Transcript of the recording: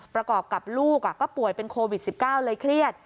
ประกอบกับลูกก็ป่วยเป็นโควิด๑๙เลยเครียด